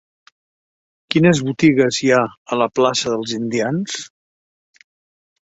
Quines botigues hi ha a la plaça dels Indians?